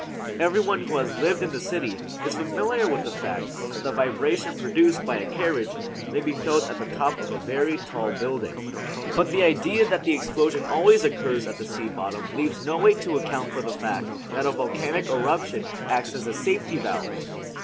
Every one who has lived in the city is familiar with the fact that the vibration produced by a carriage may be felt at the top of a very tall building. But the idea that the explosion always occurs at the sea bottom leaves no way to account for the fact that a volcanic eruption acts as a safety valve.